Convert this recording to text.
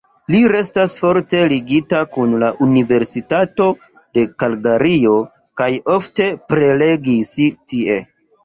Li restas forte ligita kun la Universitato de Kalgario kaj ofte prelegis tie.